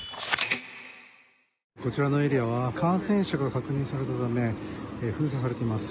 こちらのエリアは感染者が確認されたため封鎖されています。